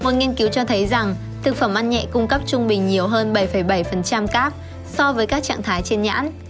một nghiên cứu cho thấy rằng thực phẩm ăn nhẹ cung cấp trung bình nhiều hơn bảy bảy cáp so với các trạng thái trên nhãn